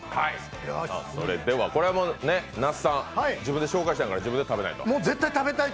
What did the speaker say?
これは那須さん、自分で紹介したから自分で食べないと。